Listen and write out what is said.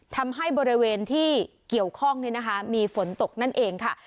ทำให้บริเวณที่เกี่ยวข้องมีฝนตกนั่นเองค่ะ